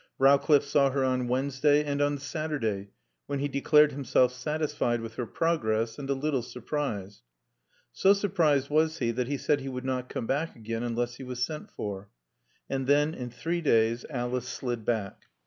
Rowcliffe saw her on Wednesday and on Saturday, when he declared himself satisfied with her progress and a little surprised. So surprised was he that he said he would not come again unless he was sent for. And then in three days Alice slid back.